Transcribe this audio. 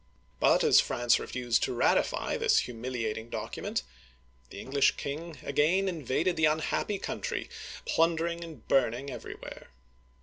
But, as France refused to ratify this humiliating document, the English king again invaded the unhappy country, plunder ing and burning everywhere.